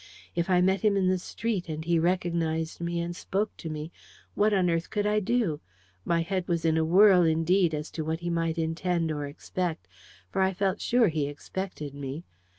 If I met him in the street, and he recognised me and spoke to me, what on earth could I do? My head was all in a whirl, indeed, as to what he might intend or expect: for I felt sure he expected me.